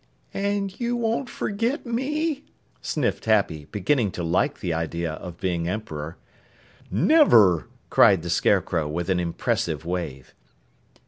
"And you won't forget me?" sniffed Happy, beginning to like the idea of being Emperor. "Never!" cried the Scarecrow with an impressive wave.